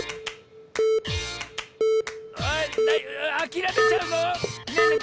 あれあきらめちゃうの⁉ねえねえ